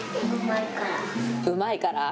うまいから？